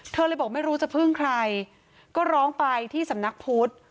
เธอเลยบอกไม่รู้จะพึ่งใครก็ร้องไปที่สำนักพุทธ